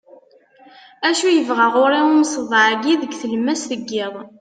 acu yebɣa ɣur-i umseḍḍeɛ-agi deg tlemmast n yiḍ